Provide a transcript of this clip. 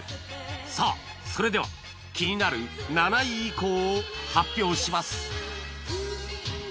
さあそれでは気になる７位以降を発表します